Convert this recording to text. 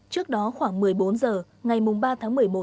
trước đó khoảng một mươi bốn h ngày ba tháng một mươi một